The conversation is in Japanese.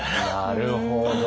なるほど。